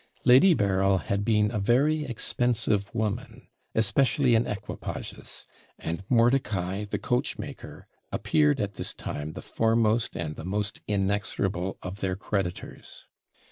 Lady Berryl had been a very expensive woman, especially in equipages; and Mordicai, the coachmaker, appeared at this time the foremost and the most inexorable of their creditors.